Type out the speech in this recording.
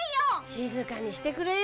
「静かにしてくれよ」